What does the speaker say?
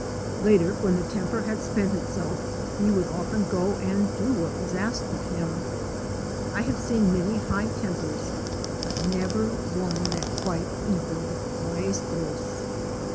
Later when the temper had spent itself he would often go and do what was asked of him. I have seen many high tempers, but never one that quite equalled Maestro's.